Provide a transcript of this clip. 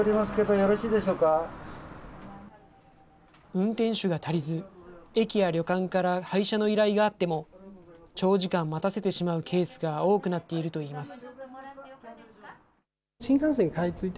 運転手が足りず、駅や旅館から配車の依頼があっても、長時間待たせてしまうケースが多くなっているといいます。